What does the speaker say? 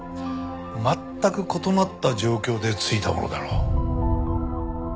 全く異なった状況でついたものだろう。